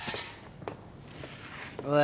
おい。